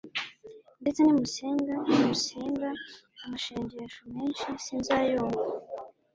ndetse nimusenga amashengesho menshi sinzayumva